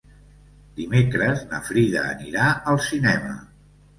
Dimecres na Frida anirà al cinema.